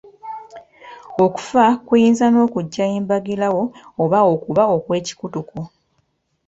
Okufa kuyinza n'okujja embagirawo oba okuba okw'ekikutuko